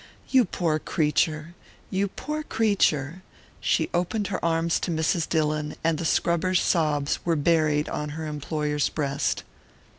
"You poor creature...you poor creature...." She opened her arms to Mrs. Dillon, and the scrubber's sobs were buried on her employer's breast.